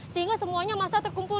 sehingga semuanya massa terkumpul